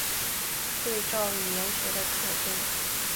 对照语言学的特征。